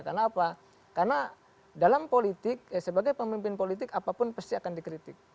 karena dalam politik sebagai pemimpin politik apapun pasti akan dikritik